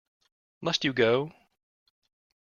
Must you go?